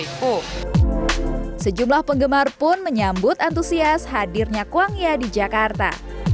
sejumlah penggemar pun menyambut antusias hadirnya kuangya di jakarta